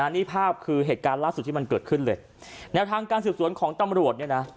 นี่ภาพคือเหตุการณ์ล่าสุดที่มันเกิดขึ้นเลยแนวทางการสืบสวนของตำรวจเนี่ยนะ